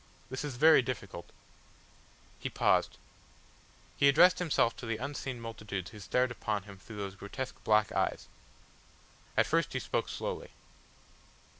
This is very difficult." He paused. He addressed himself to the unseen multitudes who stared upon him through those grotesque black eyes. At first he spoke slowly.